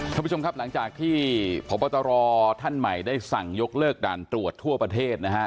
ท่านผู้ชมครับหลังจากที่พบตรท่านใหม่ได้สั่งยกเลิกด่านตรวจทั่วประเทศนะฮะ